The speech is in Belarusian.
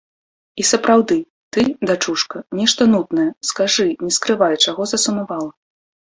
І сапраўды, ты, дачушка, нешта нудная, скажы, не скрывай, чаго засумавала.